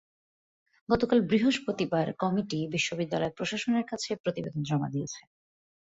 গতকাল বৃহস্পতিবার কমিটি বিশ্ববিদ্যালয় প্রশাসনের কাছে প্রতিবেদন জমা দিয়েছে।